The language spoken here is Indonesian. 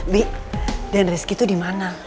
bi dan rizky tuh dimana